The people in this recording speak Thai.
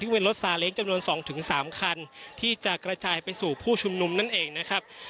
เป็นรถซาเล้งจำนวน๒๓คันที่จะกระจายไปสู่ผู้ชุมนุมนั่นเองนะครับ